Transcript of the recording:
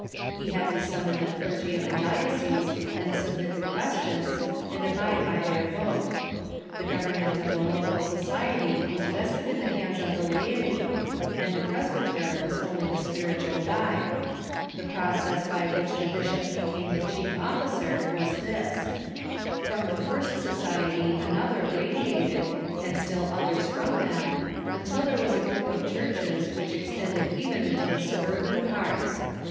He had to sum mon the clergy of the diocese and submit the questions, and abide by their vote. The government of the local society was vested in the hands of the laity, and the presbyter was only the spiritual guide. The process by Avhich the bishop became the chief officer was this : From the first society an other radiated, and still others from them, until there was a group of churches, which extended even into the suburban parts.